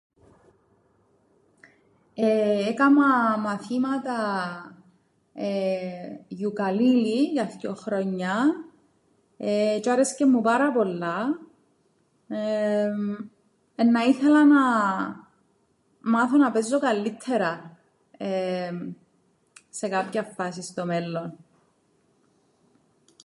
Εεε, έκαμα μαθήματα, εεε, γιουκαλίλι για θκυο χρόνια, εεε, τζ̌αι άρεσκεν μου πάρα πολλά, εεεμ, εννά ήθελα να μάθω να παίζω καλλύττερα σε κάποιαν φάσην στο μέλλον.